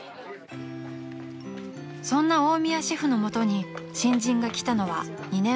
［そんな大宮シェフの元に新人が来たのは２年前の春］